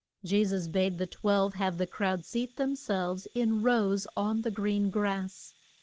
Je sus bade the twelve have the crowd seat them selves in rows on the green grass.